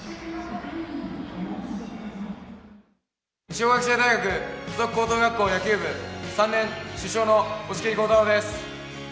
二松学舎大学付属高等学校野球部３年主将の押切康太郎です。